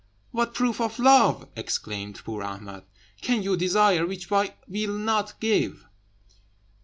"What proof of love," exclaimed poor Ahmed, "can you desire which I will not give?"